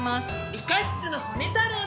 理科室のホネ太郎です。